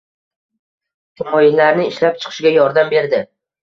tamoyillarni ishlab chiqishga yordam berdi.